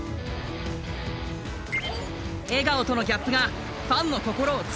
笑顔とのギャップがファンの心をつかんでいる。